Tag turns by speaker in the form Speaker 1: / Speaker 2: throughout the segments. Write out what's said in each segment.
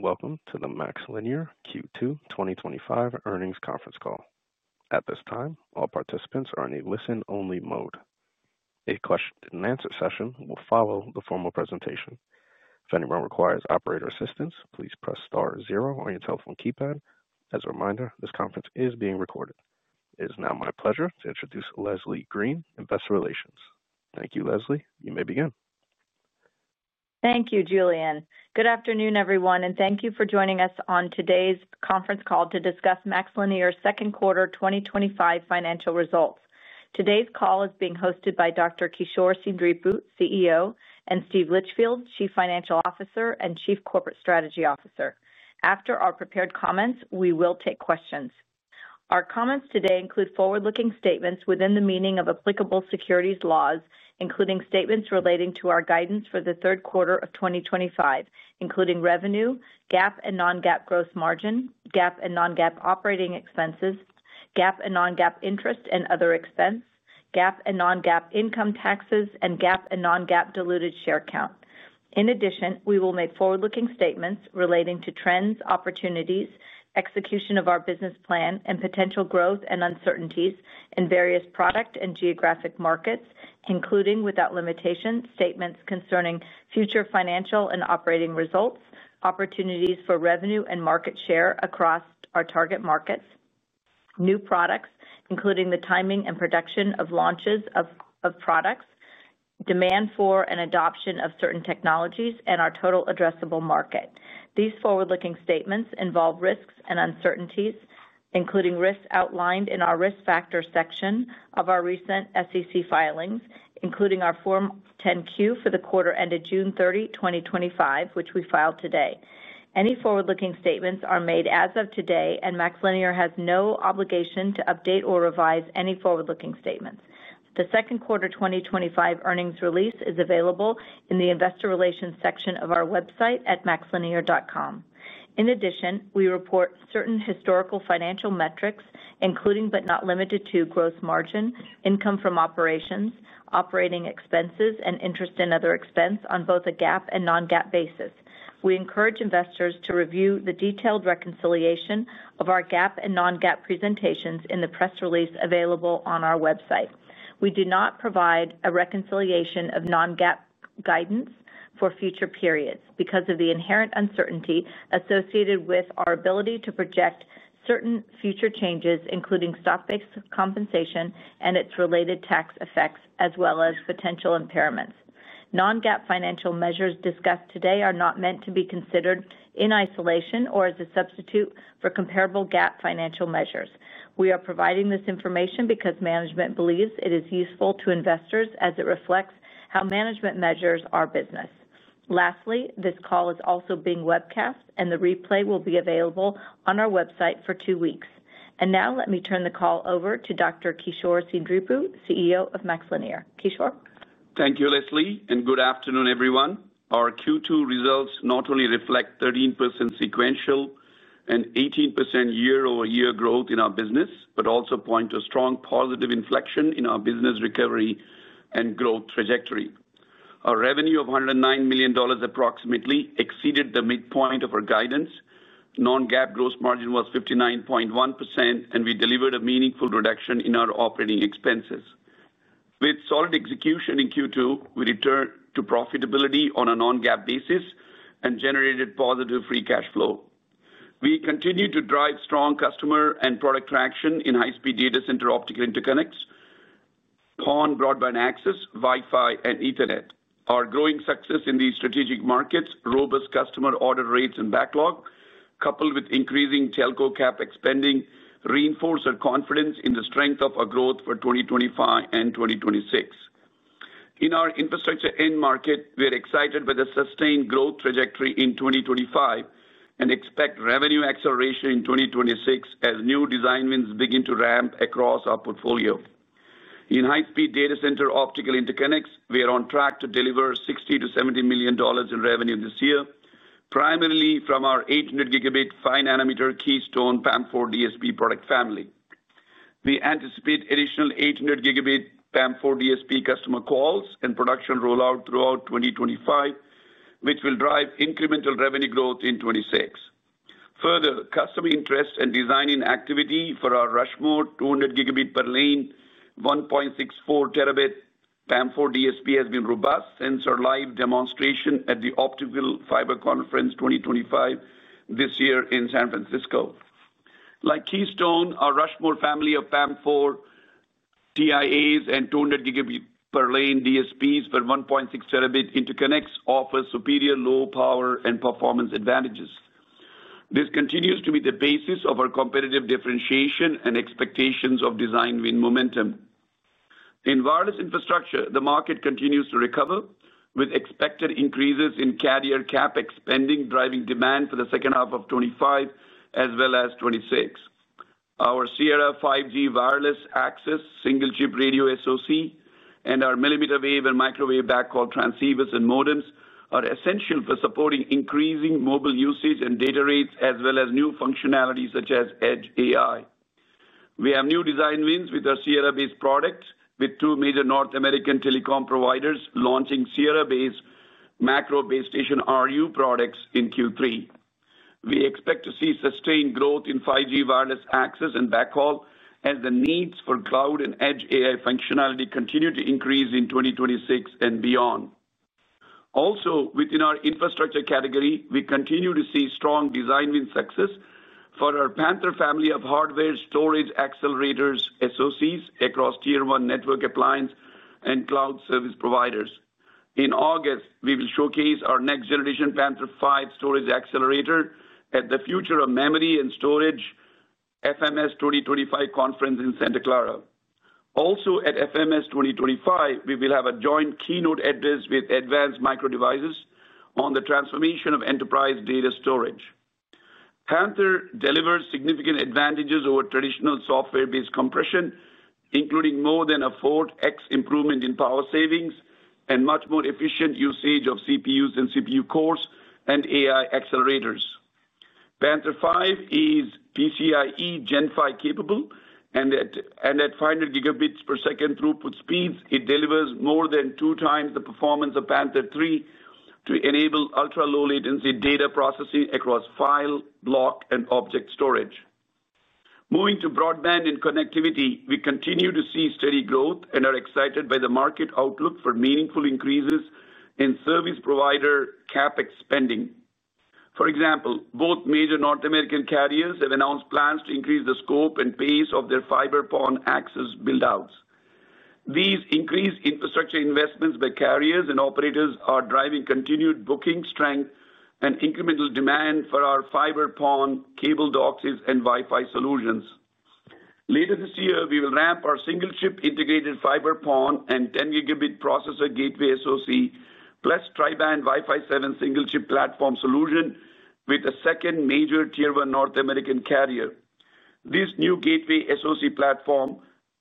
Speaker 1: Welcome to the MaxLinear Q2 2025 Earnings Conference Call. At this time, all participants are in a listen-only mode. A question-and-answer session will follow the formal presentation. If anyone requires operator assistance, please press star zero on your telephone keypad. As a reminder, this conference is being recorded. It is now my pleasure to introduce Leslie Green and Investor Relations. Thank you, Leslie. You may begin.
Speaker 2: Thank you, Julian. Good afternoon, everyone, and thank you for joining us on today's conference call to discuss MaxLinear's second quarter 2025 financial results. Today's call is being hosted by Dr. Kishore Seendripu, CEO, and Steve Litchfield, Chief Financial Officer and Chief Corporate Strategy Officer. After our prepared comments, we will take questions. Our comments today include forward-looking statements within the meaning of applicable securities laws, including statements relating to our guidance for the third quarter of 2025, including revenue, GAAP and non-GAAP gross margin, GAAP and non-GAAP operating expenses, GAAP and non-GAAP interest and other expense, GAAP and non-GAAP income taxes, and GAAP and non-GAAP diluted share count. In addition, we will make forward-looking statements relating to trends, opportunities, execution of our business plan, and potential growth and uncertainties in various product and geographic markets, including without limitation statements concerning future financial and operating results, opportunities for revenue and market share across our target markets, new products, including the timing and production of launches of products, demand for and adoption of certain technologies, and our total addressable market. These forward-looking statements involve risks and uncertainties, including risks outlined in our risk factor section of our recent SEC filings, including our Form 10-Q for the quarter ended June 30, 2025, which we filed today. Any forward-looking statements are made as of today, and MaxLinear has no obligation to update or revise any forward-looking statements. The second quarter 2025 earnings release is available in the Investor Relations section of our website at maxlinear.com. In addition, we report certain historical financial metrics, including but not limited to gross margin, income from operations, operating expenses, and interest and other expense on both a GAAP and non-GAAP basis. We encourage investors to review the detailed reconciliation of our GAAP and non-GAAP presentations in the press release available on our website. We do not provide a reconciliation of non-GAAP guidance for future periods because of the inherent uncertainty associated with our ability to project certain future changes, including stock-based compensation and its related tax effects, as well as potential impairments. Non-GAAP financial measures discussed today are not meant to be considered in isolation or as a substitute for comparable GAAP financial measures. We are providing this information because management believes it is useful to investors as it reflects how management measures our business. Lastly, this call is also being webcast, and the replay will be available on our website for two weeks. Now, let me turn the call over to Dr. Kishore Seendripu, CEO of MaxLinear. Kishore?
Speaker 3: Thank you, Leslie, and good afternoon, everyone. Our Q2 results not only reflect 13% sequential and 18% year-over-year growth in our business, but also point to a strong positive inflection in our business recovery and growth trajectory. Our revenue of $109 million approximately exceeded the midpoint of our guidance. Non-GAAP gross margin was 59.1%, and we delivered a meaningful reduction in our operating expenses. With solid execution in Q2, we returned to profitability on a non-GAAP basis and generated positive free cash flow. We continue to drive strong customer and product traction in high-speed data center optical interconnects, PON broadband access, Wi-Fi, and Ethernet. Our growing success in these strategic markets, robust customer order rates and backlog, coupled with increasing telco CapEx spending, reinforce our confidence in the strength of our growth for 2025 and 2026. In our infrastructure end market, we're excited by the sustained growth trajectory in 2025 and expect revenue acceleration in 2026 as new design wins begin to ramp across our portfolio. In high-speed data center optical interconnects, we are on track to deliver $60 million-$70 million in revenue this year, primarily from our 800-Gb five-nanometer Keystone PAM4 DSP product family. We anticipate additional 800-Gb PAM4 DSP customer calls and production rollout throughout 2025, which will drive incremental revenue growth in 2026. Further, customer interest and design-in activity for our Rushmore 200-Gb per lane 1.6-Tb PAM4 DSP has been robust since our live demonstration at the Optical Fiber Conference 2025 this year in San Francisco. Like Keystone, our Rushmore family of PAM4 TIAs and 200-Gb per lane DSPs for 1.6-Tb interconnects offer superior low power and performance advantages. This continues to be the basis of our competitive differentiation and expectations of design win momentum. In wireless infrastructure, the market continues to recover, with expected increases in carrier CapEx spending driving demand for the second half of 2025 as well as 2026. Our Sierra 5G wireless access single-chip radio SoC and our millimeter wave and microwave backhaul transceivers and modems are essential for supporting increasing mobile usage and data rates, as well as new functionality such as edge AI. We have new design wins with our Sierra-based products, with two major North American telecom providers launching Sierra-based macro base station RU products in Q3. We expect to see sustained growth in 5G wireless access and backhaul as the needs for cloud and edge AI functionality continue to increase in 2026 and beyond. Also, within our infrastructure category, we continue to see strong design win success for our Panther family of hardware storage accelerators SoCs across tier one network appliance and cloud service providers. In August, we will showcase our next generation Panther 5 storage accelerator at the Future of Memory and Storage FMS 2025 conference in Santa Clara. Also, at FMS 2025, we will have a joint keynote address with Advanced Micro Devices on the transformation of enterprise data storage. Panther delivers significant advantages over traditional software-based compression, including more than a 4x improvement in power savings and much more efficient usage of CPUs and CPU cores and AI accelerators. Panther 5 is PCIe Gen 5 capable, and at 500 Gbps throughput speeds, it delivers more than two times the performance of Panther 3 to enable ultra-low latency data processing across file, block, and object storage. Moving to broadband and connectivity, we continue to see steady growth and are excited by the market outlook for meaningful increases in service provider CapEx spending. For example, both major North American carriers have announced plans to increase the scope and pace of their fiber PON access buildouts. These increased infrastructure investments by carriers and operators are driving continued booking strength and incremental demand for our fiber PON cable DOCSIS and Wi-Fi solutions. Later this year, we will ramp our single-chip integrated fiber PON and 10-Gb processor gateway SoC plus Tri-Band Wi-Fi 7 single-chip platform solution with a second major tier one North American carrier. This new gateway SoC platform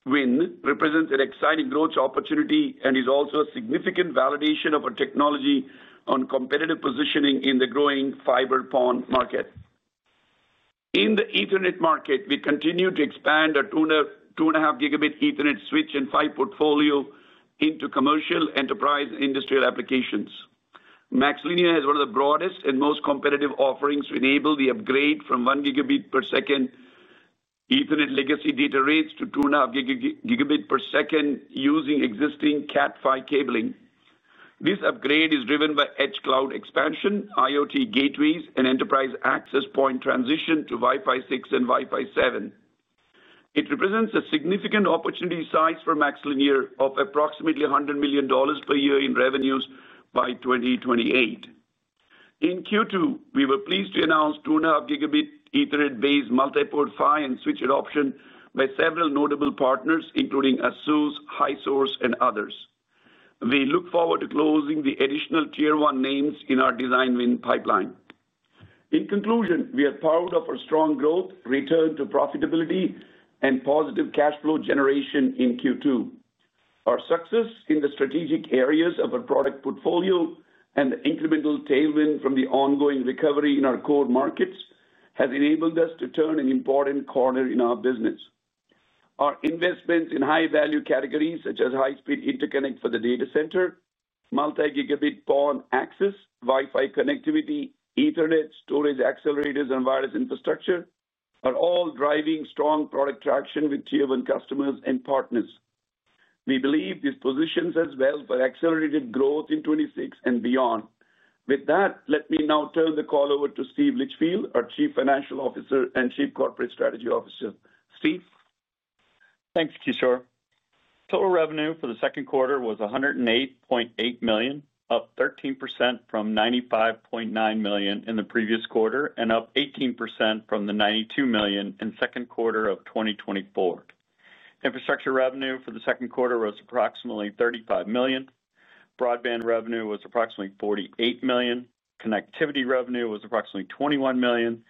Speaker 3: win represents an exciting growth opportunity and is also a significant validation of our technology and competitive positioning in the growing fiber PON market. In the Ethernet market, we continue to expand our 2.5-Gb Ethernet switch and PHY portfolio into commercial, enterprise, and industrial applications. MaxLinear has one of the broadest and most competitive offerings to enable the upgrade from 1-Gbps Ethernet legacy data rates to 2.5-Gbps using existing Cat5 cabling. This upgrade is driven by edge cloud expansion, IoT gateways, and enterprise access point transition to Wi-Fi 6 and Wi-Fi 7. It represents a significant opportunity size for MaxLinear of approximately $100 million per year in revenues by 2028. In Q2, we were pleased to announce 2.5 Gb Ethernet-based multiport PHY and switch adoption by several notable partners, including ASUS, HiSource, and others. We look forward to closing the additional tier one names in our design win pipeline. In conclusion, we are proud of our strong growth, return to profitability, and positive cash flow generation in Q2. Our success in the strategic areas of our product portfolio and the incremental tailwind from the ongoing recovery in our core markets has enabled us to turn an important corner in our business. Our investments in high-value categories such as high-speed interconnect for the data center, multi-Gb PON access, Wi-Fi connectivity, Ethernet, storage accelerators, and wireless infrastructure are all driving strong product traction with tier one customers and partners. We believe this positions us well for accelerated growth in 2026 and beyond. With that, let me now turn the call over to Steve Litchfield, our Chief Financial Officer and Chief Corporate Strategy Officer. Steve.
Speaker 4: Thanks, Kishore. Total revenue for the second quarter was $108.8 million, up 13% from $95.9 million in the previous quarter, and up 18% from the $92 million in the second quarter of 2024. Infrastructure revenue for the second quarter was approximately $35 million. Broadband revenue was approximately $48 million. Connectivity revenue was approximately $21 million,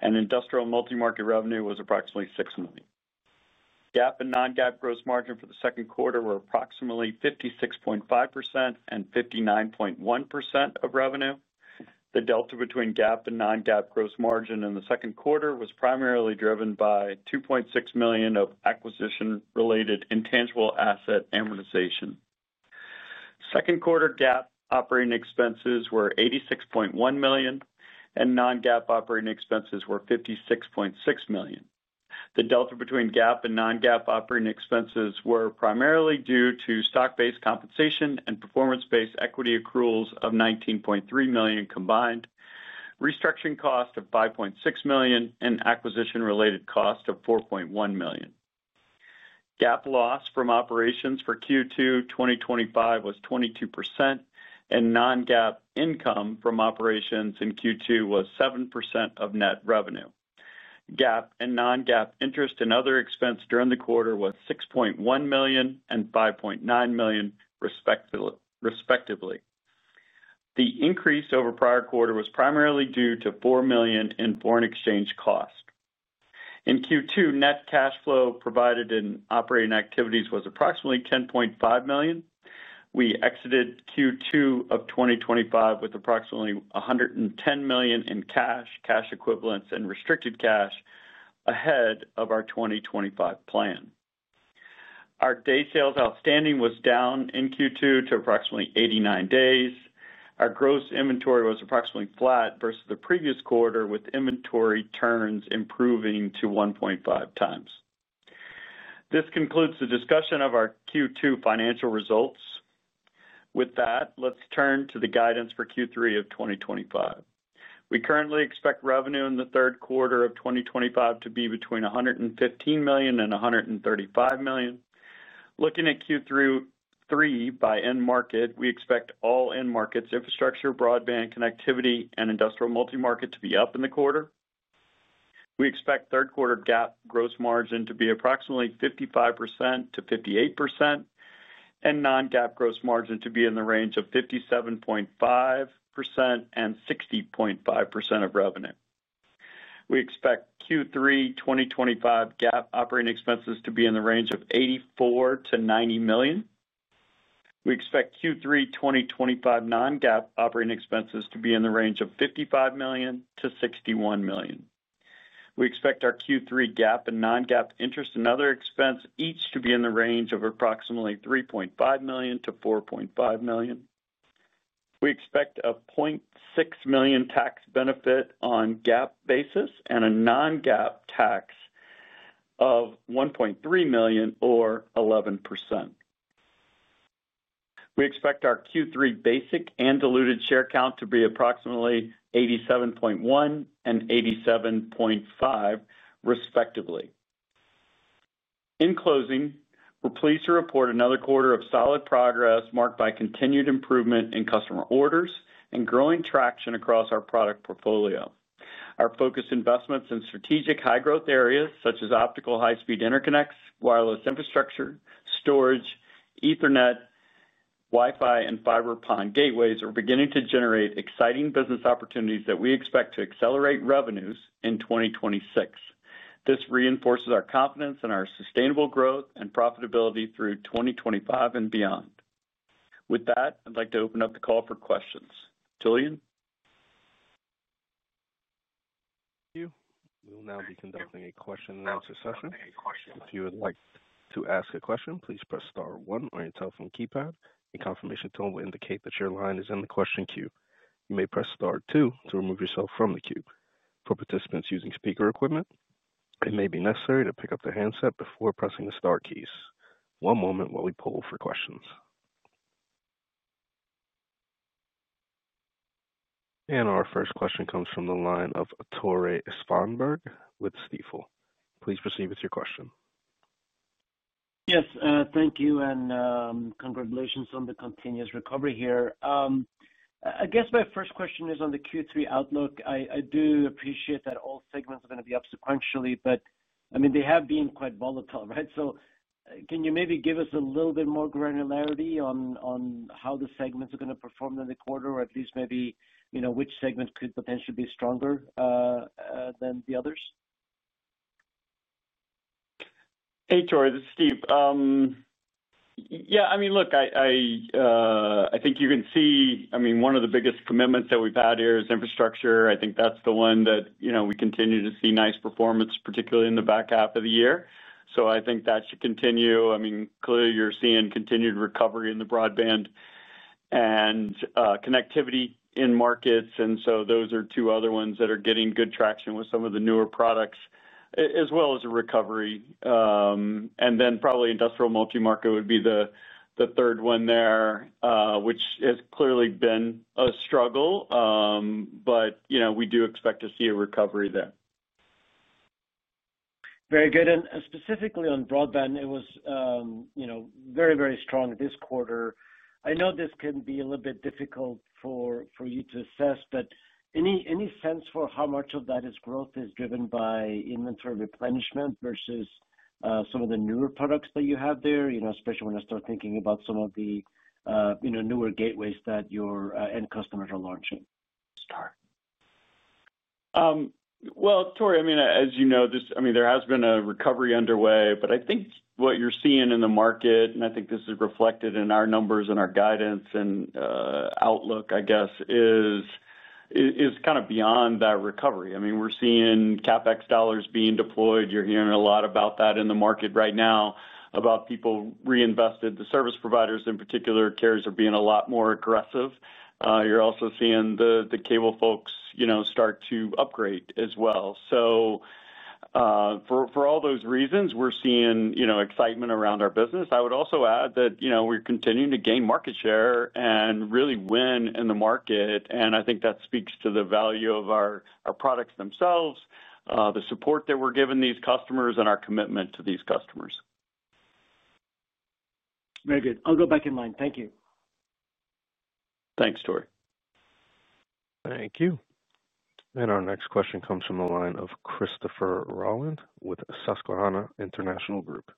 Speaker 4: and industrial multi-market revenue was approximately $6 million. GAAP and non-GAAP gross margin for the second quarter were approximately 56.5% and 59.1% of revenue. The delta between GAAP and non-GAAP gross margin in the second quarter was primarily driven by $2.6 million of acquisition-related intangible asset amortization. Second quarter GAAP operating expenses were $86.1 million, and non-GAAP operating expenses were $56.6 million. The delta between GAAP and non-GAAP operating expenses was primarily due to stock-based compensation and performance-based equity accruals of $19.3 million combined, restructuring cost of $5.6 million, and acquisition-related cost of $4.1 million. GAAP loss from operations for Q2 2025 was 22%, and non-GAAP income from operations in Q2 was 7% of net revenue. GAAP and non-GAAP interest and other expense during the quarter was $6.1 million and $5.9 million, respectively. The increase over prior quarter was primarily due to $4 million in foreign exchange cost. In Q2, net cash flow provided in operating activities was approximately $10.5 million. We exited Q2 of 2025 with approximately $110 million in cash, cash equivalents, and restricted cash ahead of our 2025 plan. Our day sales outstanding was down in Q2 to approximately 89 days. Our gross inventory was approximately flat versus the previous quarter, with inventory turns improving to 1.5x. This concludes the discussion of our Q2 financial results. With that, let's turn to the guidance for Q3 of 2025. We currently expect revenue in the third quarter of 2025 to be between $115 million and $135 million. Looking at Q3 by end market, we expect all end markets, infrastructure, broadband, connectivity, and industrial multi-market to be up in the quarter. We expect third quarter GAAP gross margin to be approximately 55%-58%, and non-GAAP gross margin to be in the range of 57.5% and 60.5% of revenue. We expect Q3 2025 GAAP operating expenses to be in the range of $84 million-$90 million. We expect Q3 2025 non-GAAP operating expenses to be in the range of $55 million-$61 million. We expect our Q3 GAAP and non-GAAP interest and other expense each to be in the range of approximately $3.5 million-$4.5 million. We expect a $0.6 million tax benefit on a GAAP basis and a non-GAAP tax of $1.3 million or 11%. We expect our Q3 basic and diluted share count to be approximately 87.1 and 87.5, respectively. In closing, we're pleased to report another quarter of solid progress marked by continued improvement in customer orders and growing traction across our product portfolio. Our focused investments in strategic high-growth areas, such as optical high-speed interconnects, wireless infrastructure, storage, Ethernet, Wi-Fi, and fiber PON gateways, are beginning to generate exciting business opportunities that we expect to accelerate revenues in 2026. This reinforces our confidence in our sustainable growth and profitability through 2025 and beyond. With that, I'd like to open up the call for questions. Julian?
Speaker 1: We will now be conducting a question and answer session. If you would like to ask a question, please press star one on your telephone keypad. A confirmation tone will indicate that your line is in the question queue. You may press star two to remove yourself from the queue. For participants using speaker equipment, it may be necessary to pick up the handset before pressing the star keys. One moment while we pull for questions. Our first question comes from the line of Tore Svanberg with Stifel. Please proceed with your question.
Speaker 5: Yes, thank you, and congratulations on the continuous recovery here. I guess my first question is on the Q3 outlook. I do appreciate that all segments are going to be up sequentially, but they have been quite volatile, right? Can you maybe give us a little bit more granularity on how the segments are going to perform in the quarter, or at least maybe, you know, which segments could potentially be stronger than the others?
Speaker 4: Yeah, I mean, look, I think you can see, I mean, one of the biggest commitments that we've had here is infrastructure. I think that's the one that, you know, we continue to see nice performance, particularly in the back half of the year. I think that should continue. Clearly you're seeing continued recovery in the broadband and connectivity markets. Those are two other ones that are getting good traction with some of the newer products, as well as a recovery. Probably industrial multi-market would be the third one there, which has clearly been a struggle. You know, we do expect to see a recovery there.
Speaker 5: Very good. Specifically on broadband, it was very, very strong this quarter. I know this can be a little bit difficult for you to assess, but any sense for how much of that growth is driven by inventory replenishment versus some of the newer products that you have there, especially when I start thinking about some of the newer gateways that your end customers are launching?
Speaker 4: Tore, as you know, there has been a recovery underway, but I think what you're seeing in the market, and I think this is reflected in our numbers and our guidance and outlook, is kind of beyond that recovery. We're seeing CapEx dollars being deployed. You're hearing a lot about that in the market right now, about people reinvested. The service providers in particular, carriers are being a lot more aggressive. You're also seeing the cable folks start to upgrade as well. For all those reasons, we're seeing excitement around our business. I would also add that we're continuing to gain market share and really win in the market. I think that speaks to the value of our products themselves, the support that we're giving these customers, and our commitment to these customers.
Speaker 5: Very good. I'll go back in line. Thank you.
Speaker 4: Thanks, Tore.
Speaker 1: Thank you. Our next question comes from the line of Christopher Rolland with Susquehanna International Group.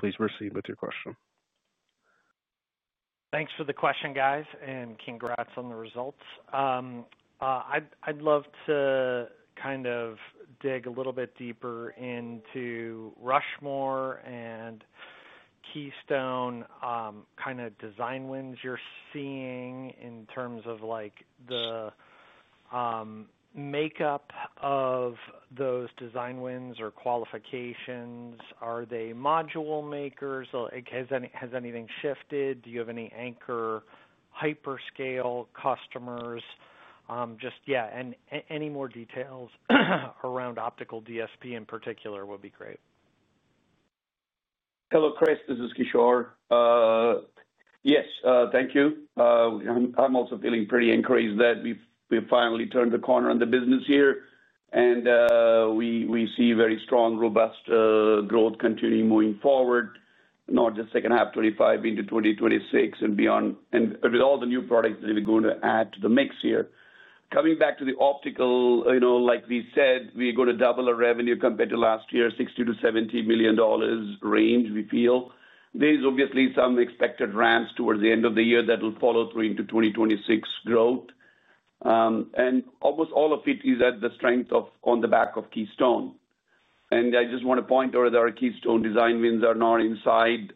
Speaker 1: Please proceed with your question.
Speaker 6: Thanks for the question, guys, and congrats on the results. I'd love to kind of dig a little bit deeper into Rushmore and Keystone kind of design wins you're seeing in terms of like the makeup of those design wins or qualifications. Are they module makers? Has anything shifted? Do you have any anchor hyperscale customers? Just, yeah, and any more details around optical DSP in particular would be great.
Speaker 3: Hello, Chris. This is Kishore. Yes, thank you. I'm also feeling pretty encouraged that we've finally turned the corner on the business here. We see very strong, robust growth continuing moving forward, not just second half, 2025 into 2026 and beyond, with all the new products that we're going to add to the mix here. Coming back to the optical, like we said, we're going to double our revenue compared to last year, $60-$70 million range, we feel. There's obviously some expected ramps towards the end of the year that will follow through into 2026 growth. Almost all of it is at the strength of, on the back of Keystone. I just want to point out that our Keystone design wins are not inside.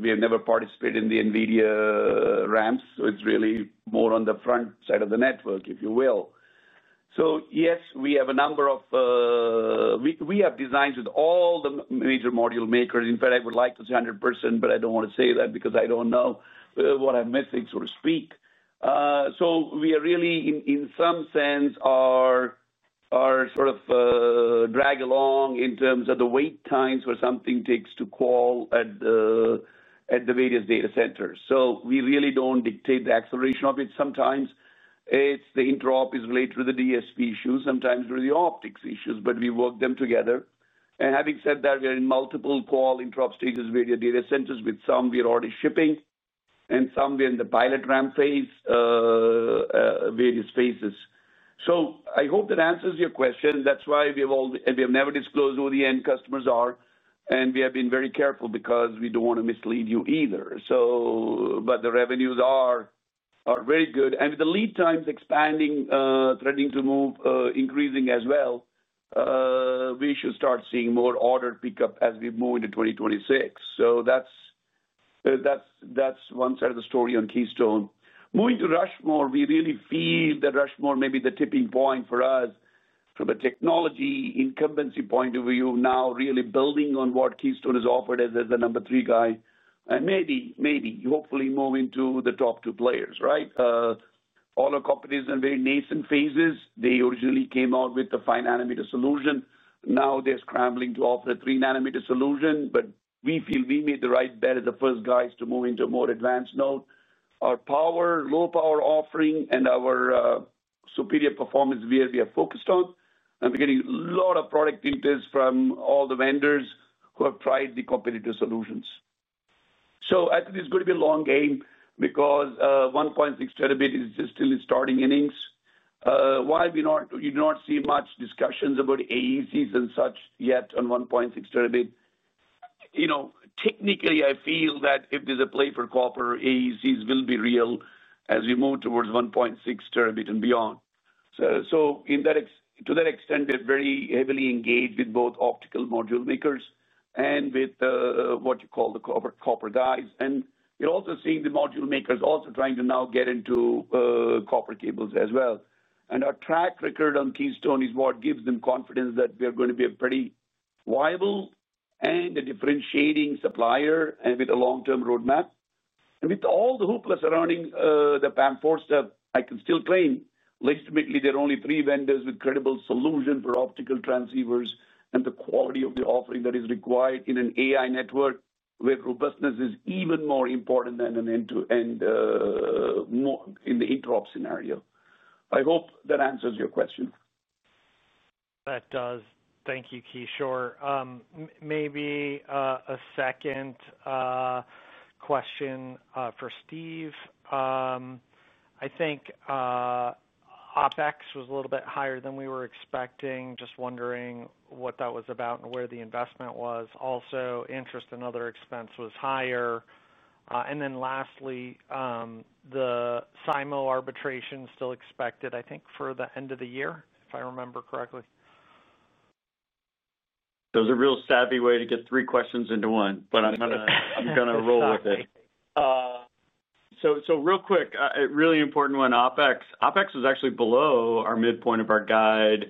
Speaker 3: We have never participated in the NVIDIA ramps, so it's really more on the front side of the network, if you will. We have designs with all the major module makers. In fact, I would like to say 100%, but I don't want to say that because I don't know what I'm missing, so to speak. We are really, in some sense, our sort of drag-along in terms of the wait times where something takes to call at the various data centers. We really don't dictate the acceleration of it. Sometimes the interop is related to the DSP issues, sometimes with the optics issues, but we work them together. Having said that, we are in multiple call interop stages with various data centers. With some, we are already shipping, and some we are in the pilot ramp phase, various phases. I hope that answers your question. That's why we have never disclosed who the end customers are. We have been very careful because we don't want to mislead you either. The revenues are very good. With the lead times expanding, threading to move increasing as well, we should start seeing more order pickup as we move into 2026. That's one side of the story on Keystone. Moving to Rushmore, we really feel that Rushmore may be the tipping point for us from a technology incumbency point of view, now really building on what Keystone has offered as the number three guy. Maybe, maybe hopefully move into the top two players, right? All our companies are in very nascent phases. They originally came out with the five-nanometer solution. Now they're scrambling to offer a three-nanometer solution, but we feel we made the right bet as the first guys to move into a more advanced node. Our low-power offering and our superior performance is where we are focused on. We're getting a lot of product interest from all the vendors who have tried the competitor solutions. I think it's going to be a long game because 1.6-Tb is just still in starting innings. While you do not see much discussion about AECs and such yet on 1.6-Tb, technically I feel that if there's a play for copper, AECs will be real as we move towards 1.6-Tb and beyond. To that extent, we're very heavily engaged with both optical module makers and with what you call the copper guys. You're also seeing the module makers also trying to now get into copper cables as well. Our track record on Keystone is what gives them confidence that we're going to be a pretty viable and a differentiating supplier with a long-term roadmap. With all the hoopla surrounding the PAM4 stuff, I can still claim legitimately there are only three vendors with credible solutions for optical transceivers and the quality of the offering that is required in an AI network where robustness is even more important than end-to-end in the interop scenario. I hope that answers your question.
Speaker 6: Thank you, Kishore. Maybe a second question for Steve. I think OpEx was a little bit higher than we were expecting. Just wondering what that was about and where the investment was. Also, interest and other expense was higher. Lastly, the SIMO arbitration is still expected, I think, for the end of the year, if I remember correctly
Speaker 4: That was a real savvy way to get three questions into one, but I'm going to, you're going to roll with it. A really important one, OpEx. OpEx was actually below our midpoint of our guide.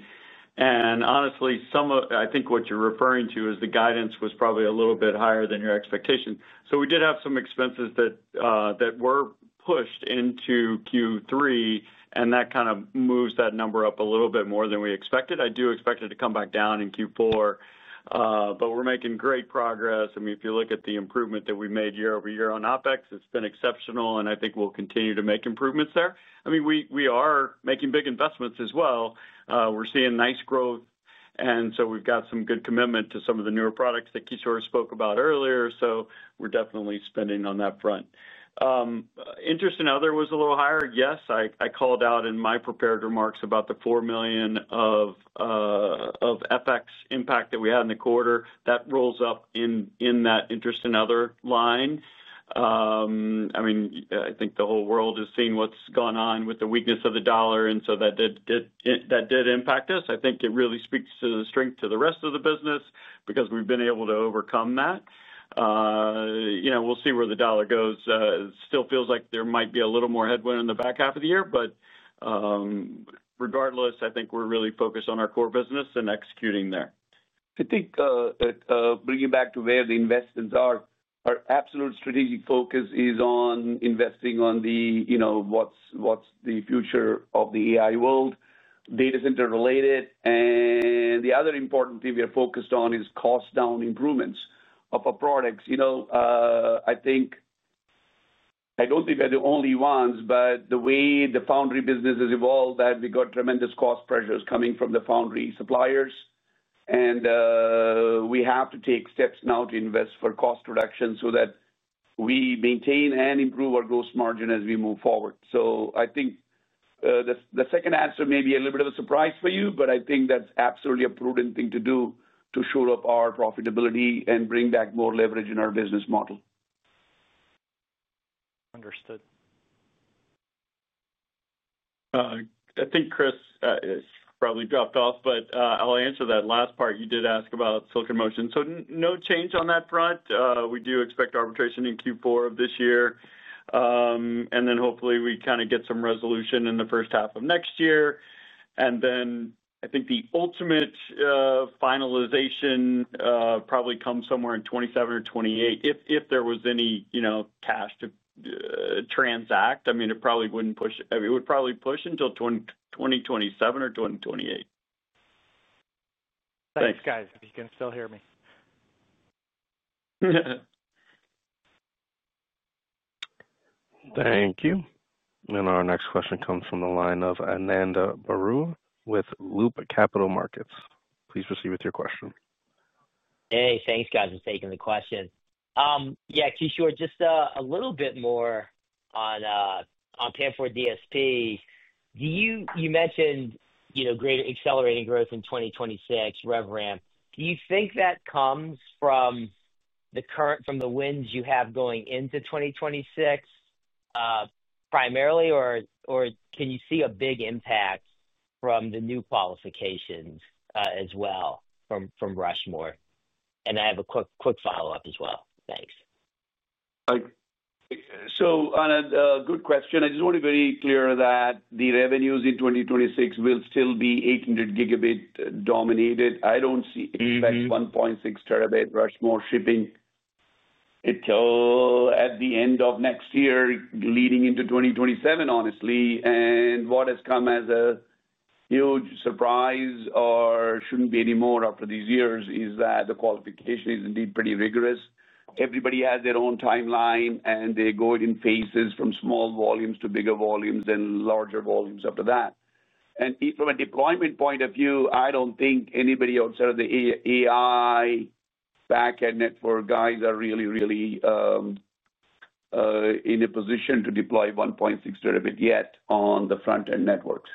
Speaker 4: Honestly, some of what you're referring to is the guidance was probably a little bit higher than your expectation. We did have some expenses that were pushed into Q3, and that kind of moves that number up a little bit more than we expected. I do expect it to come back down in Q4. We're making great progress. If you look at the improvement that we made year-over-year on OpEx, it's been exceptional, and I think we'll continue to make improvements there. We are making big investments as well. We're seeing nice growth, and we've got some good commitment to some of the newer products that Kishore spoke about earlier. We're definitely spending on that front. Interest and other was a little higher. Yes, I called out in my prepared remarks about the $4 million of FX impact that we had in the quarter. That rolls up in that interest and other line. I think the whole world is seeing what's gone on with the weakness of the dollar, and that did impact us. I think it really speaks to the strength of the rest of the business because we've been able to overcome that. We'll see where the dollar goes. It still feels like there might be a little more headwind in the back half of the year. Regardless, I think we're really focused on our core business and executing there.
Speaker 3: I think bringing back to where the investments are, our absolute strategic focus is on investing on the, you know, what's the future of the AI world, data center related. The other important thing we are focused on is cost down improvements of our products. I don't think we're the only ones, but the way the foundry business has evolved, we got tremendous cost pressures coming from the foundry suppliers. We have to take steps now to invest for cost reduction so that we maintain and improve our gross margin as we move forward. I think the second answer may be a little bit of a surprise for you, but I think that's absolutely a prudent thing to do to shore up our profitability and bring back more leverage in our business model.
Speaker 6: Understood.
Speaker 4: I think Chris probably dropped off, but I'll answer that last part. You did ask about Silicon Motion. No change on that front. We do expect arbitration in Q4 of this year, and hopefully we get some resolution in the first half of next year. I think the ultimate finalization probably comes somewhere in 2027 or 2028. If there was any cash to transact, it would probably push until 2027 or 2028.
Speaker 6: Thanks, guys, if you can still hear me.
Speaker 1: Thank you. Our next question comes from the line of Ananda Baruah with Loop Capital Markets. Please proceed with your question.
Speaker 7: Hey, thanks, guys, for taking the question. Kishore, just a little bit more on PAM4 DSP. You mentioned greater accelerating growth in 2026, rev ramp. Do you think that comes from the current, from the wins you have going into 2026 primarily, or can you see a big impact from the new qualifications as well from Rushmore? I have a quick follow-up as well. Thanks.
Speaker 3: Ananda, good question. I just want to be very clear that the revenues in 2026 will still be 800-Gb dominated. I don't expect 1.6-Tb Rushmore shipping until at the end of next year, leading into 2027, honestly. What has come as a huge surprise, or shouldn't be anymore after these years, is that the qualification is indeed pretty rigorous. Everybody has their own timeline, and they go in phases from small volumes to bigger volumes and larger volumes after that. From a deployment point of view, I don't think anybody outside of the AI backend network guys are really, really in a position to deploy 1.6-Tb yet on the frontend networks.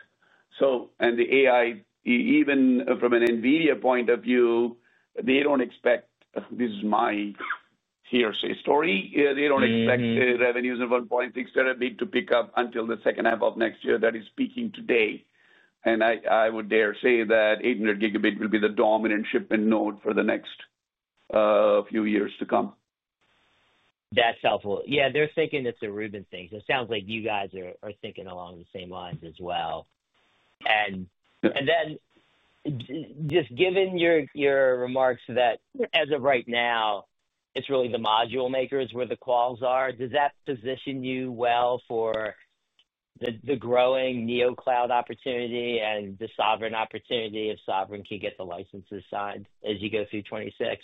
Speaker 3: The AI, even from an NVIDIA point of view, they don't expect, this is my hearsay story, they don't expect revenues of 1.6-Tb to pick up until the second half of next year. That is speaking today. I would dare say that 800-Gb will be the dominant shipment node for the next few years to come.
Speaker 7: That's helpful. They're thinking it's a Rubin thing. It sounds like you guys are thinking along the same lines as well. Just given your remarks that as of right now, it's really the module makers where the calls are, does that position you well for the growing NeoCloud opportunity and the sovereign opportunity if sovereign can get the licenses signed as you go through 2026?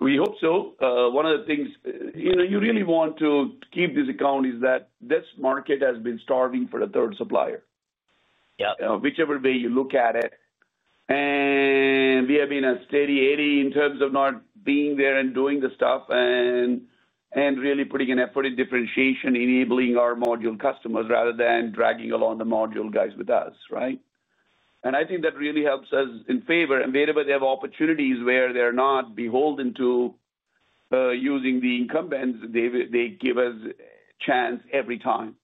Speaker 3: We hope so. One of the things you really want to keep in this account is that this market has been starving for a third supplier.
Speaker 7: Yep.
Speaker 3: Whichever way you look at it, we have been a steady 80 in terms of not being there and doing the stuff and really putting an effort in differentiation, enabling our module customers rather than dragging along the module guys with us, right? I think that really helps us in favor. Whenever they have opportunities where they're not beholden to using the incumbents, they give us a chance every time.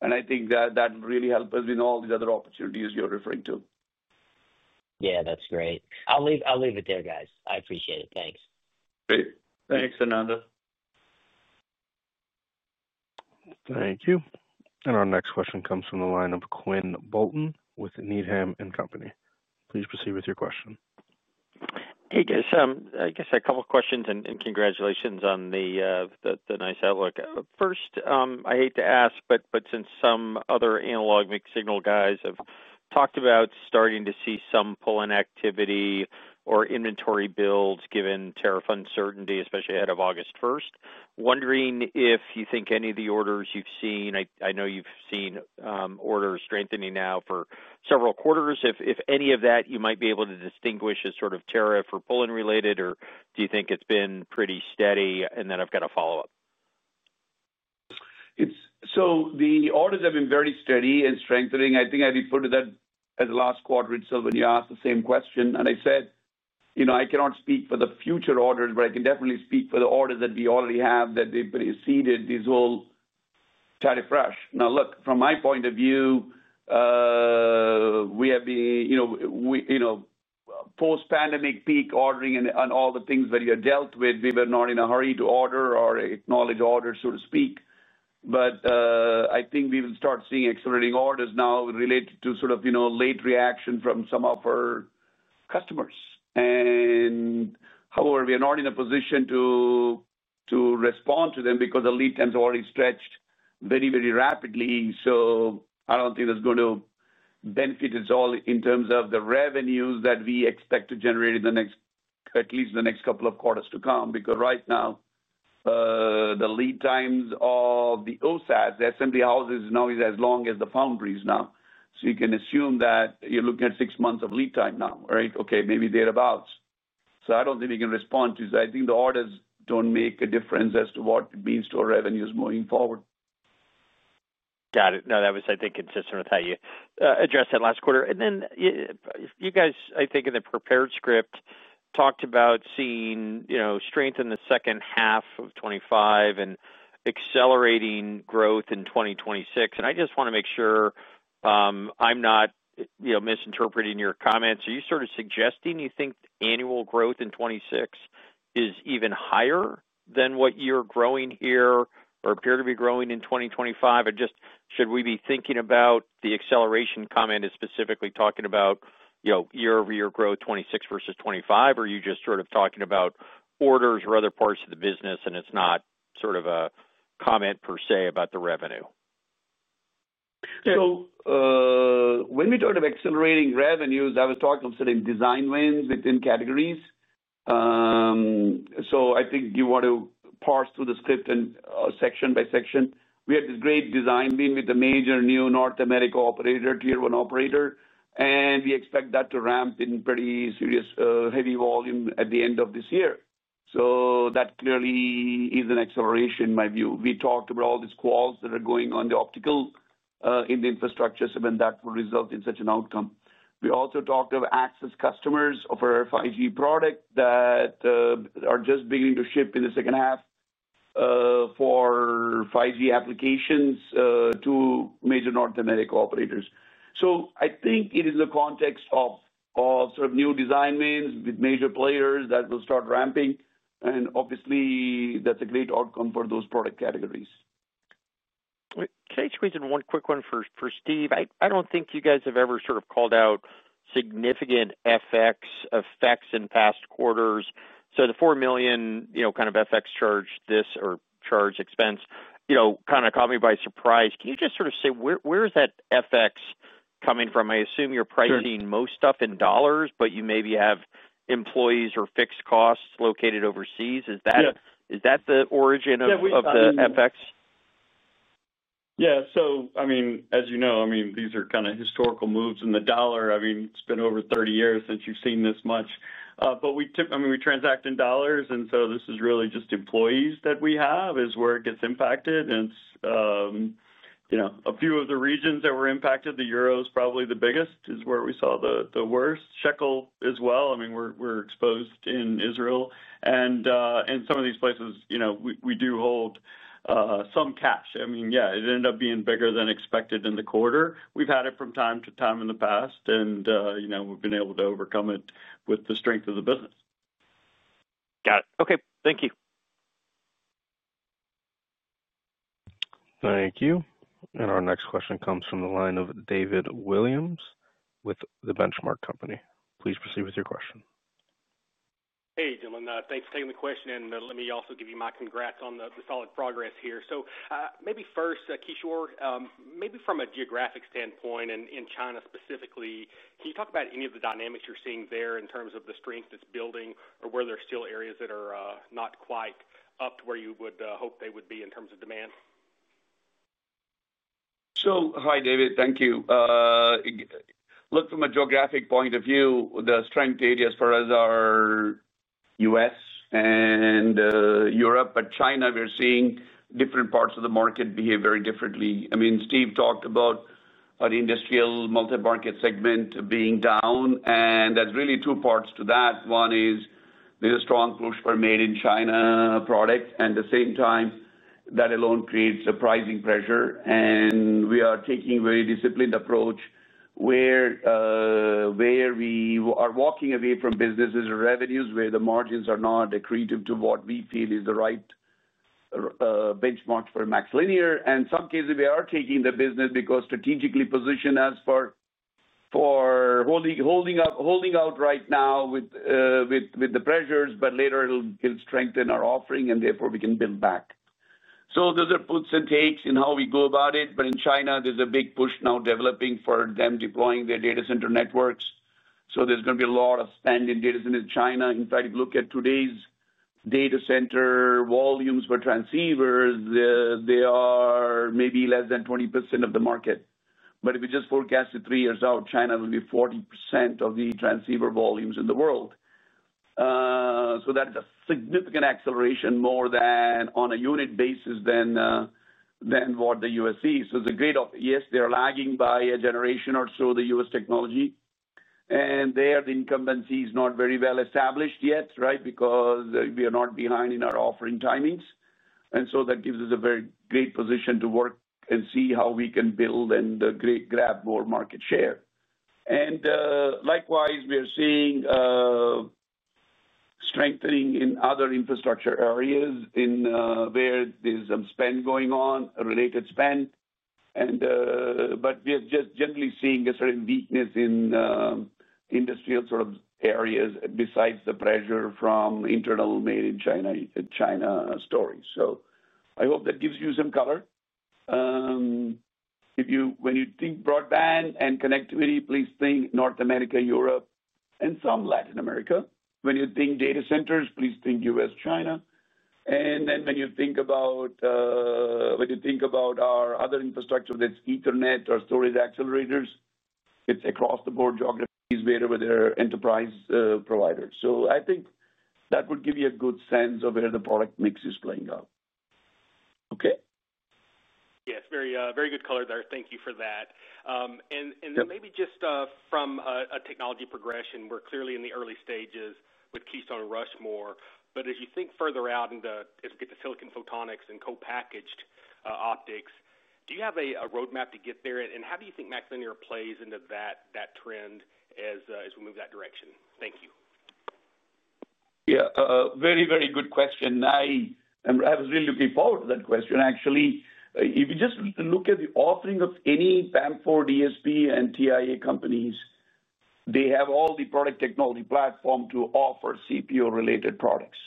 Speaker 3: I think that that will really help us with all these other opportunities you're referring to.
Speaker 5: Yeah, that's great. I'll leave it there, guys. I appreciate it. Thanks.
Speaker 3: Great. Thanks, Ananda.
Speaker 1: Thank you. Our next question comes from the line of Quinn Bolton with Needham & Company. Please proceed with your question.
Speaker 8: Hey, Chris, I guess a couple of questions and congratulations on the nice outlook. First, I hate to ask, but since some other analog mixed signal guys have talked about starting to see some pull-in activity or inventory builds given tariff uncertainty, especially ahead of August 1st, wondering if you think any of the orders you've seen, I know you've seen orders strengthening now for several quarters, if any of that you might be able to distinguish as sort of tariff or pull-in related, or do you think it's been pretty steady? I've got a follow-up.
Speaker 3: The orders have been very steady and strengthening. I think I referred to that as the last quarter itself when you asked the same question. I said, you know, I cannot speak for the future orders, but I can definitely speak for the orders that we already have that they've preceded this whole tariff rush. Now, from my point of view, we have been, you know, post-pandemic peak ordering and all the things that we have dealt with, we were not in a hurry to order or acknowledge orders, so to speak. I think we will start seeing accelerating orders now related to sort of, you know, late reaction from some of our customers. However, we are not in a position to respond to them because the lead times are already stretched very, very rapidly. I don't think that's going to benefit us all in terms of the revenues that we expect to generate in at least the next couple of quarters to come. Right now, the lead times of the OSATs, the assembly houses, now is as long as the foundries now. You can assume that you're looking at six months of lead time now, right? Maybe thereabouts. I don't think we can respond to that. I think the orders don't make a difference as to what it means to our revenues moving forward.
Speaker 8: Got it. That was, I think, consistent with how you addressed that last quarter. You guys, I think in the prepared script, talked about seeing strength in the second half of 2025 and accelerating growth in 2026. I just want to make sure I'm not misinterpreting your comments. Are you sort of suggesting you think annual growth in 2026 is even higher than what you're growing here or appear to be growing in 2025? Should we be thinking about the acceleration comment as specifically talking about year-over-year growth 2026 versus 2025? Are you just sort of talking about quarters or other parts of the business and it's not a comment per se about the revenue?
Speaker 3: When we talk about accelerating revenues, I was talking of sort of design wins within categories. I think you want to parse through the script and section by section. We had this great design win with the major new North America operator, tier one operator, and we expect that to ramp in pretty serious, heavy volume at the end of this year. That clearly is an acceleration in my view. We talked about all these calls that are going on the optical in the infrastructure, so that will result in such an outcome. We also talked of access customers for our 5G product that are just beginning to ship in the second half for 5G applications to major North America operators. I think it is in the context of sort of new design wins with major players that will start ramping. Obviously, that's a great outcome for those product categories.
Speaker 8: Can I just read one quick one for Steve? I don't think you guys have ever called out significant FX effects in past quarters. The $4 million FX charge or charge expense kind of caught me by surprise. Can you just say where is that FX coming from? I assume you're pricing most stuff in dollars, but you maybe have employees or fixed costs located overseas. Is that the origin of the FX?
Speaker 4: Yeah, as you know, these are kind of historical moves in the dollar. It's been over 30 years since you've seen this much. We transact in dollars, so this is really just employees that we have is where it gets impacted. It's a few of the regions that were impacted. The euro is probably the biggest, is where we saw the worst. Shekel as well, we're exposed in Israel. In some of these places, we do hold some cash. It ended up being bigger than expected in the quarter. We've had it from time to time in the past, and we've been able to overcome it with the strength of the business.
Speaker 8: Got it. Okay, thank you.
Speaker 1: Thank you. Our next question comes from the line of David Williams with The Benchmark Company. Please proceed with your question.
Speaker 9: Hey, gentleman, thanks for taking the question. Let me also give you my congrats on the solid progress here. Maybe first, Kishore, from a geographic standpoint in China specifically, can you talk about any of the dynamics you're seeing there in terms of the strength that's building or where there's still areas that are not quite up to where you would hope they would be in terms of demand?
Speaker 3: Hi, David. Thank you. Look, from a geographic point of view, the strength areas as far as our U.S. and Europe, but China, we're seeing different parts of the market behave very differently. Steve talked about our industrial multi-market segment being down, and there's really two parts to that. One is there's a strong push for made-in-China products, and at the same time, that alone creates a pricing pressure. We are taking a very disciplined approach where we are walking away from businesses or revenues where the margins are not accretive to what we feel is the right benchmark for MaxLinear. In some cases, we are taking the business because strategically positioned as for holding out right now with the pressures, but later it'll strengthen our offering, and therefore we can build back. Those are puts and takes in how we go about it. In China, there's a big push now developing for them deploying their data center networks. There's going to be a lot of spend in data centers in China. In fact, if you look at today's data center volumes for transceivers, they are maybe less than 20% of the market. If we just forecast it three years out, China will be 40% of the transceiver volumes in the world. That is a significant acceleration, more than on a unit basis than what the U.S. sees. It's a great offer. Yes, they are lagging by a generation or so, the U.S. technology. There, the incumbency is not very well established yet, right, because we are not behind in our offering timings. That gives us a very great position to work and see how we can build and grab more market share. Likewise, we are seeing strengthening in other infrastructure areas where there's some spend going on, related spend. We are just generally seeing a certain weakness in industrial sort of areas besides the pressure from internal made-in-China stories. I hope that gives you some color. When you think broadband and connectivity, please think North America, Europe, and some Latin America. When you think data centers, please think U.S., China. When you think about our other infrastructure, that's Ethernet or storage accelerators, it's across the board geographies wherever there are enterprise providers. I think that would give you a good sense of where the product mix is playing out. Okay?
Speaker 9: Yes, very good color there. Thank you for that. Maybe just from a technology progression, we're clearly in the early stages with Keystone and Rushmore. As you think further out into as we get to silicon photonics and co-packaged optics, do you have a roadmap to get there? How do you think MaxLinear plays into that trend as we move that direction? Thank you.
Speaker 3: Yeah, very, very good question. I was really looking forward to that question. Actually, if you just look at the offering of any PAM4 DSP and TIA companies, they have all the product technology platform to offer CPO-related products.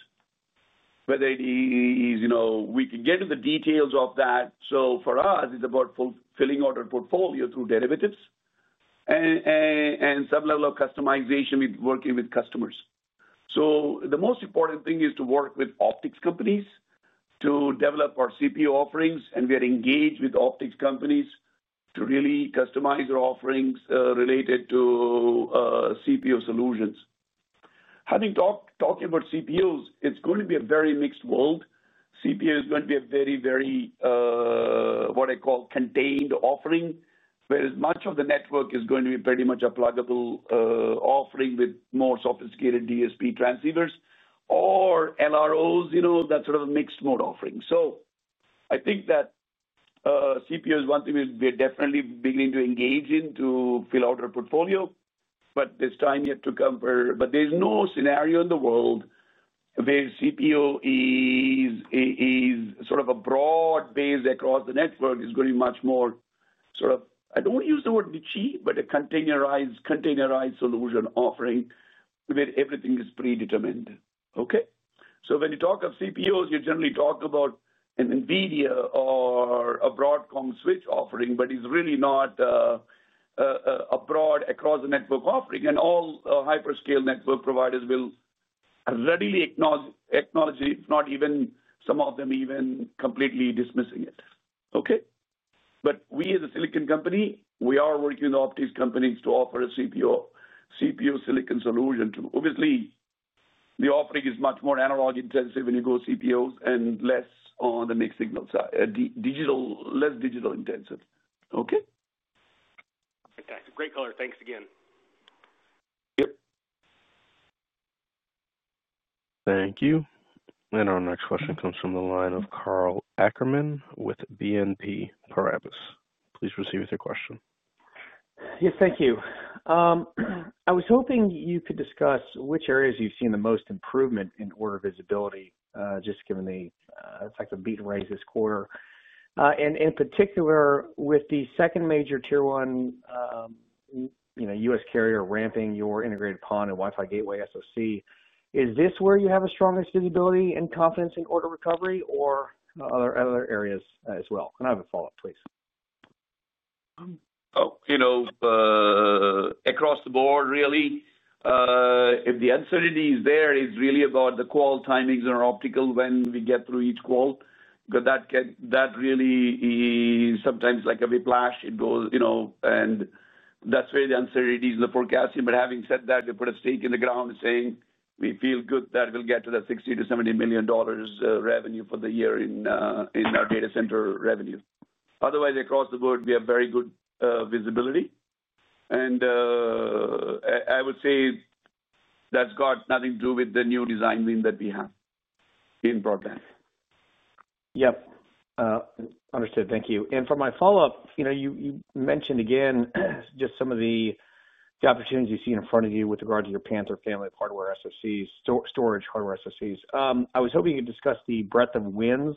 Speaker 3: Whether it is, you know, we can get into the details of that. For us, it's about filling out our portfolio through derivatives and some level of customization with working with customers. The most important thing is to work with optics companies to develop our CPO offerings, and we are engaged with optics companies to really customize our offerings related to CPO solutions. Having talked about CPUs, it's going to be a very mixed world. CPU is going to be a very, very, what I call, contained offering, whereas much of the network is going to be pretty much a pluggable offering with more sophisticated DSP transceivers or LROs, you know, that sort of mixed mode offering. I think that CPU is one thing we're definitely beginning to engage in to fill out our portfolio, but there's time yet to come for, but there's no scenario in the world where CPO is sort of a broad base across the network. It's going to be much more sort of, I don't want to use the word "bitchy," but a containerized solution offering where everything is predetermined. Okay? When you talk of CPOs, you generally talk about an NVIDIA or a Broadcom switch offering, but it's really not a broad across the network offering. All hyperscale network providers will readily acknowledge it, not even some of them even completely dismissing it. Okay? We as a silicon company, we are working with optics companies to offer a CPO silicon solution. Obviously, the offering is much more analog intensive when you go CPOs and less on the mixed signal side, digital, less digital intensive. Okay?
Speaker 9: Fantastic. Great color. Thanks again.
Speaker 3: Yep.
Speaker 1: Thank you. Our next question comes from the line of Karl Ackerman with BNP Paribas. Please proceed with your question.
Speaker 10: Yes, thank you. I was hoping you could discuss which areas you've seen the most improvement in order visibility, just given the fact that we're beating rates this quarter. In particular, with the second major tier one U.S. carrier ramping your integrated PON and Wi-Fi gateway SoC, is this where you have the strongest visibility and confidence in order recovery or other areas as well? I have a follow-up, please.
Speaker 3: Across the board, really, if the uncertainty is there, it's really about the call timings on our optical when we get through each call. That really is sometimes like a whiplash. It goes, you know, and that's where the uncertainty is in the forecasting. Having said that, we put a stake in the ground saying we feel good that we'll get to that $60-$70 million revenue for the year in our data center revenue. Otherwise, across the board, we have very good visibility. I would say that's got nothing to do with the new design win that we have in broadband.
Speaker 10: Thank you. For my follow-up, you mentioned again just some of the opportunities you see in front of you with regard to your Panther hardware storage accelerator SoCs. I was hoping you could discuss the breadth of wins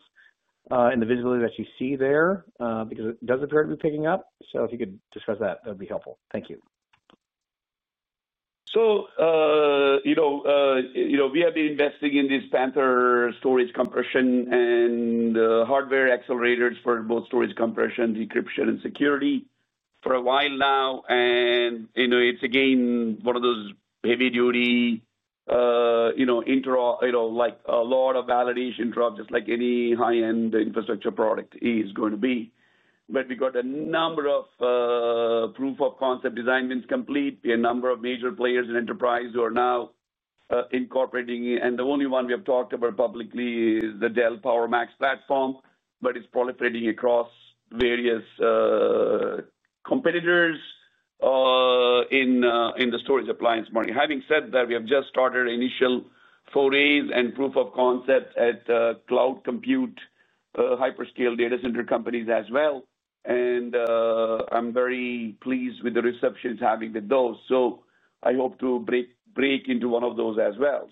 Speaker 10: and the visibility that you see there because it does appear to be picking up. If you could discuss that, that would be helpful. Thank you.
Speaker 3: We have been investing in this Panther hardware storage accelerator SoCs for both storage compression, decryption, and security for a while now. It's again one of those heavy-duty, like a lot of validation interop, just like any high-end infrastructure product is going to be. We got a number of proof of concept design wins complete. We have a number of major players in enterprise who are now incorporating it. The only one we have talked about publicly is the Dell PowerMax platform, but it's proliferating across various competitors in the storage appliance market. Having said that, we have just started initial forays and proof of concepts at cloud compute hyperscale data center companies as well. I'm very pleased with the reception it's having with those. I hope to break into one of those as well.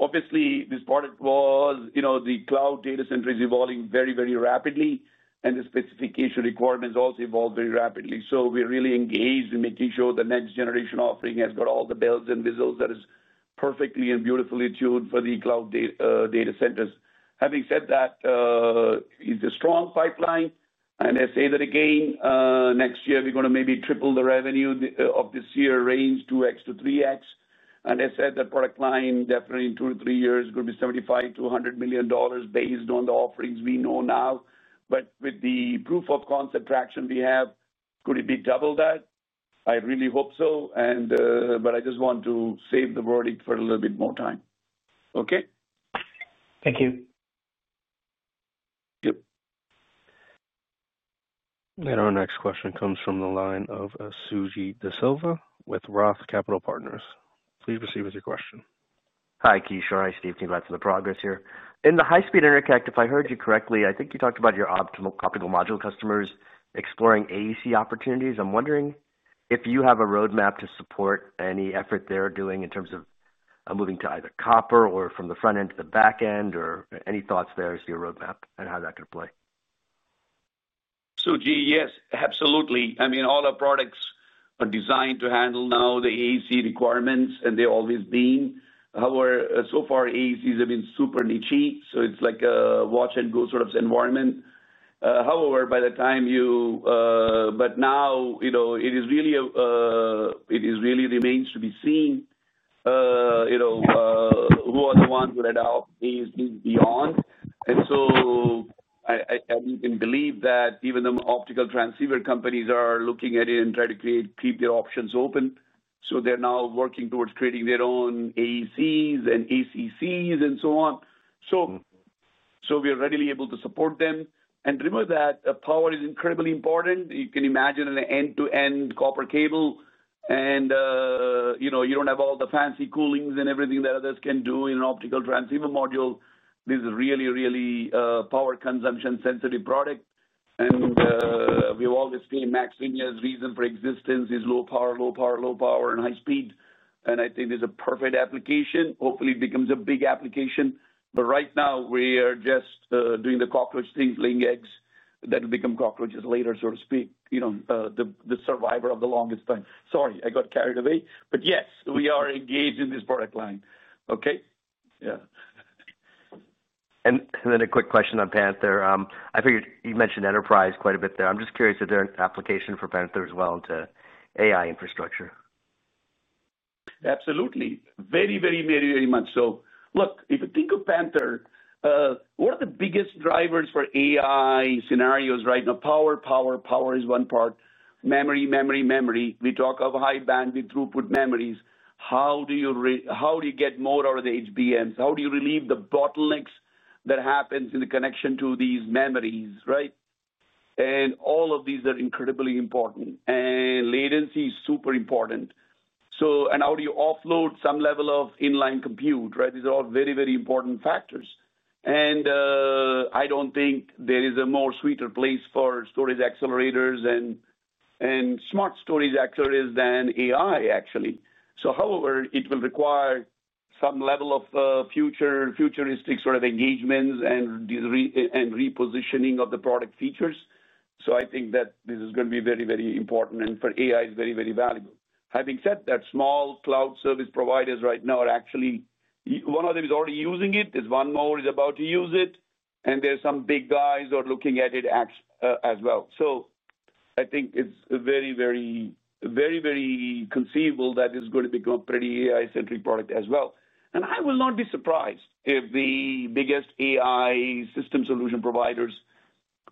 Speaker 3: This product was, the cloud data center is evolving very, very rapidly. The specification requirements also evolve very rapidly. We're really engaged in making sure the next generation offering has got all the bells and whistles that are perfectly and beautifully tuned for the cloud data centers. Having said that, it's a strong pipeline. Next year we're going to maybe triple the revenue of this year, range 2x-3x. That product line definitely in two to three years is going to be $75 million-$100 million based on the offerings we know now. With the proof of concept traction we have, could it be double that? I really hope so. I just want to save the wording for a little bit more time. Okay?
Speaker 10: Thank you.
Speaker 3: Yep.
Speaker 1: Our next question comes from the line of Suji Desilva with Roth Capital Partners. Please proceed with your question.
Speaker 11: Hi, Kishore. Hi, Steve. Thank you a lot for the progress here. In the high-speed interconnect, if I heard you correctly, I think you talked about your optical module customers exploring AEC opportunities. I'm wondering if you have a roadmap to support any effort they're doing in terms of moving to either copper or from the front end to the back end, or any thoughts there as to your roadmap and how that could play?
Speaker 3: Yes, absolutely. All our products are designed to handle now the AEC requirements, and they've always been. However, so far, AECs have been super nichy. It's like a watch-and-go sort of environment. However, now, you know, it really remains to be seen who are the ones who are now beyond. I can believe that even the optical transceiver companies are looking at it and trying to keep their options open. They're now working towards creating their own AECs and ACCs and so on. We are readily able to support them. Remember that power is incredibly important. You can imagine an end-to-end copper cable. You don't have all the fancy coolings and everything that others can do in an optical transceiver module. This is a really, really power consumption-sensitive product. We've always seen MaxLinear's reason for existence is low power, low power, low power, and high speed. I think it's a perfect application. Hopefully, it becomes a big application. Right now, we are just doing the cockroach things, laying eggs. That'll become cockroaches later, so to speak, the survivor of the longest time. Sorry, I got carried away. Yes, we are engaged in this product line. Okay?
Speaker 11: Yeah. A quick question on Panther. You mentioned enterprise quite a bit there. I'm just curious if there's an application for Panther as well into AI infrastructure.
Speaker 3: Absolutely. Very, very, very, very much so. Look, if you think of Panther, what are the biggest drivers for AI scenarios right now? Power, power, power is one part. Memory, memory, memory. We talk of high bandwidth throughput memories. How do you get more out of the HBMs? How do you relieve the bottlenecks that happen in the connection to these memories, right? All of these are incredibly important, and latency is super important. How do you offload some level of inline compute, right? These are all very, very important factors. I don't think there is a more sweeter place for storage accelerators and smart storage accelerators than AI, actually. However, it will require some level of future futuristic sort of engagements and repositioning of the product features. I think that this is going to be very, very important, and for AI is very, very valuable. Having said that, small cloud service providers right now are actually, one of them is already using it. There's one more that is about to use it. There's some big guys who are looking at it as well. I think it's very, very, very, very conceivable that it's going to become a pretty AI-centric product as well. I will not be surprised if the biggest AI system solution providers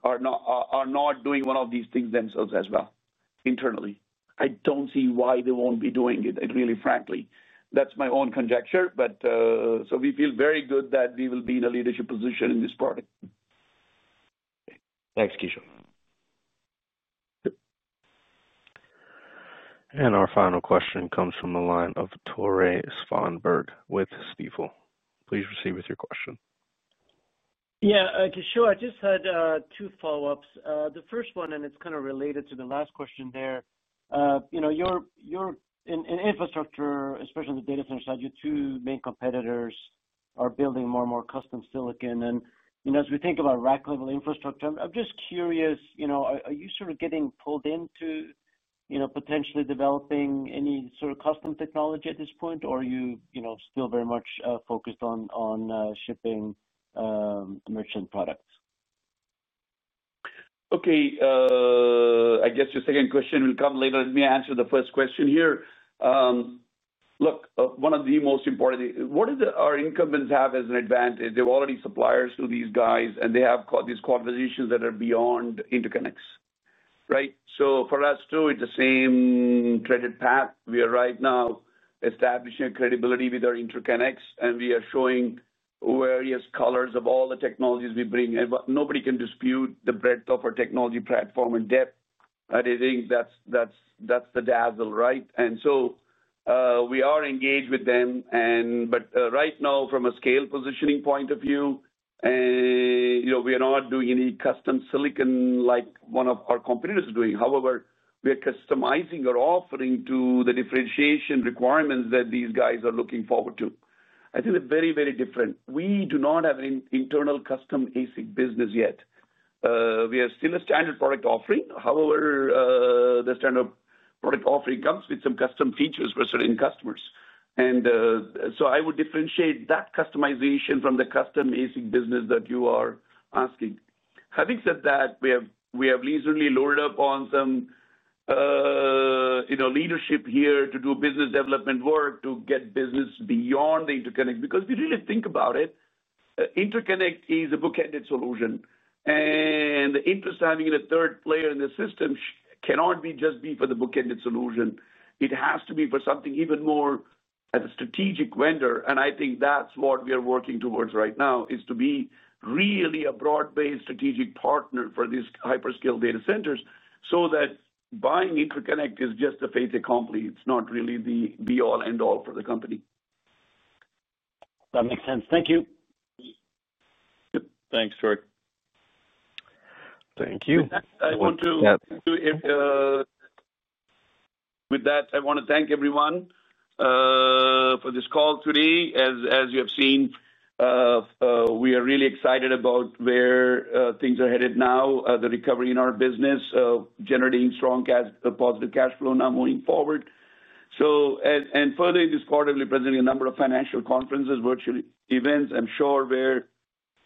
Speaker 3: are not doing one of these things themselves as well internally. I don't see why they won't be doing it. Really, frankly, that's my own conjecture. We feel very good that we will be in a leadership position in this product.
Speaker 11: Thanks, Kishore.
Speaker 1: Our final question comes from the line of Tore Svanberg with Stifel. Please proceed with your question.
Speaker 5: Yeah, Kishore, I just had two follow-ups. The first one, and it's kind of related to the last question there. You know, you're in infrastructure, especially on the data center side, your two main competitors are building more and more custom silicon. As we think about rack-level infrastructure, I'm just curious, you know, are you sort of getting pulled into potentially developing any sort of custom technology at this point, or are you still very much focused on shipping merchant products?
Speaker 3: Okay, I guess your second question will come later. Let me answer the first question here. Look, one of the most important, what do our incumbents have as an advantage? They're already suppliers to these guys, and they have these conversations that are beyond interconnects, right? For us too, it's the same treaded path. We are right now establishing credibility with our interconnects, and we are showing various colors of all the technologies we bring. Nobody can dispute the breadth of our technology platform in depth. I think that's the dazzle, right? We are engaged with them. Right now, from a scale positioning point of view, we are not doing any custom silicon like one of our competitors is doing. However, we are customizing our offering to the differentiation requirements that these guys are looking forward to. I think they're very, very different. We do not have an internal custom ASIC business yet. We are still a standard product offering. However, the standard product offering comes with some custom features for certain customers. I would differentiate that customization from the custom ASIC business that you are asking. Having said that, we have reasonably loaded up on some leadership here to do business development work to get business beyond the interconnect. If you really think about it, interconnect is a bookended solution. The interest of having a third player in the system cannot just be for the bookended solution. It has to be for something even more as a strategic vendor. I think that's what we are working towards right now, to be really a broad-based strategic partner for these hyperscale data centers so that buying interconnect is just a fait accompli. It's not really the be-all-end-all for the company.
Speaker 5: That makes sense. Thank you.
Speaker 3: Thanks, Surek.
Speaker 1: Thank you.
Speaker 3: With that, I want to thank everyone for this call today. As you have seen, we are really excited about where things are headed now, the recovery in our business, generating strong positive cash flow now moving forward. Further in this quarter, we'll be presenting a number of financial conferences, virtual events, I'm sure, where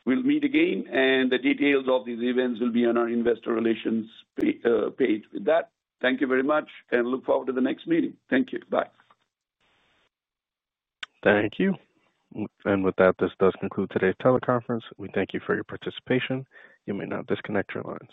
Speaker 3: we'll meet again. The details of these events will be on our investor relations page. With that, thank you very much and look forward to the next meeting. Thank you. Bye.
Speaker 1: Thank you. With that, this does conclude today's teleconference. We thank you for your participation. You may now disconnect your lines.